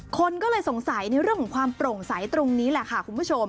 คนก็เลยสงสัยในเรื่องของความโปร่งใสตรงนี้แหละค่ะคุณผู้ชม